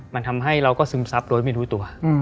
มันทำให้เราก็ซึมซับโดยไม่รู้ตัว